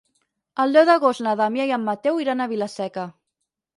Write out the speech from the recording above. El deu d'agost na Damià i en Mateu iran a Vila-seca.